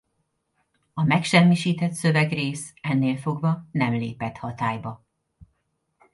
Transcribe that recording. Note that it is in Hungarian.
A megsemmisített szövegrész ennélfogva nem lépett hatályba.